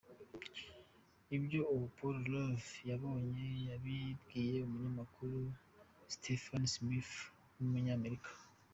Ibyo uwo Paul Lowe yabonye, yabibwiye Umunyamakuru Stephen Smith w’umunyamerika,.